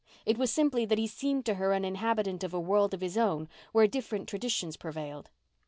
It was simply that he seemed to her an inhabitant of a world of his own, where different traditions prevailed.